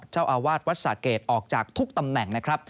เจ้าอาวาสวัสดิ์ศาสตร์เกรดออกจากทุกตำแหน่ง